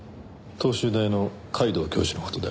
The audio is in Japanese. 東修大の皆藤教授の事で。